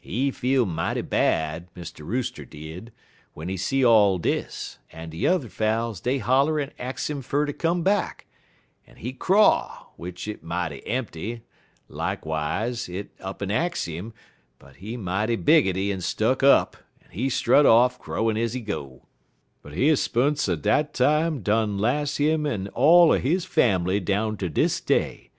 He feel mighty bad, Mr. Rooster did, w'en he see all dis, en de yuther fowls dey holler en ax 'im fer ter come back, en he craw, w'ich it mighty empty, likewise, it up'n ax 'im, but he mighty biggity en stuck up, en he strut off, crowin' ez he go; but he 'speunce er dat time done las' him en all er his fambly down ter dis day.